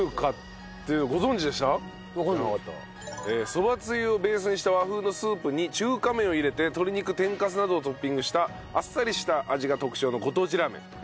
そばつゆをベースにした和風のスープに中華麺を入れて鶏肉天かすなどをトッピングしたあっさりした味が特徴のご当地ラーメン。